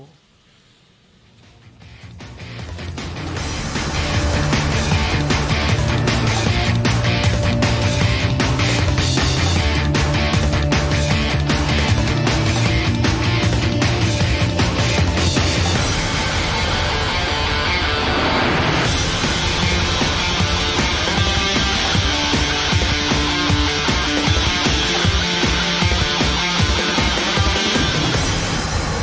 แก๊งเดียวกันหรือเปล่าแก๊งเดียวกันหรือเปล่า